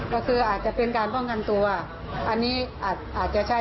ก็คืออาจจะเป็นการป้องกันตัวอันนี้อาจจะใช่